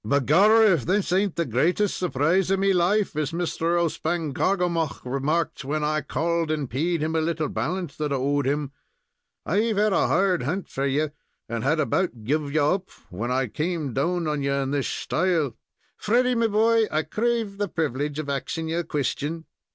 "Begorrah, if this ain't the greatest surprise of me life, as Mr. O'Spangarkoghomagh remarked when I called and paid him a little balance that I owed him. I've had a hard hunt for you, and had about guv you up when I came down on you in this shtyle. Freddy, me boy, I crave the privilege of axing ye a question."